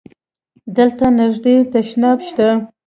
دلته نژدی تشناب شته؟